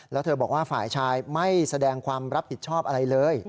แล้วเธอบอกว่าฝ่ายชายไม่แสดงความรับผิดชอบอะไรเลย